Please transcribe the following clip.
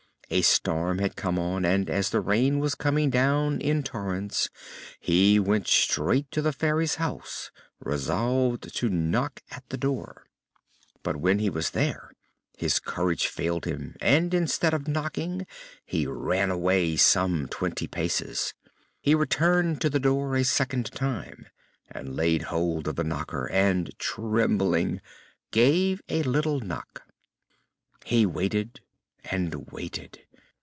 A storm had come on and as the rain was coming down in torrents he went straight to the Fairy's house, resolved to knock at the door. But when he was there his courage failed him and instead of knocking he ran away some twenty paces. He returned to the door a second time and laid hold of the knocker, and, trembling, gave a little knock. He waited and waited.